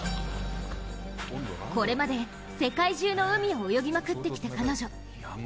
これまで世界中の海を泳ぎまくってきた彼女。